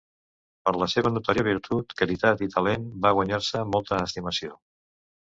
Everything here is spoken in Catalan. Per la seva notòria virtut, caritat i talent va guanyar-se molta estimació.